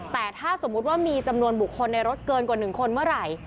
แต่ถ้าสมมุติว่ามีจำนวนบุคคลในรถเกินกว่า๑คนเมื่อไหร่